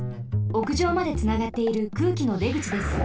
おくじょうまでつながっている空気のでぐちです。